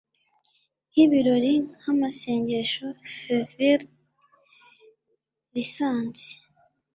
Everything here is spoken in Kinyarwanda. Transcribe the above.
nkibirori nkamasengesho, fervid, lisansi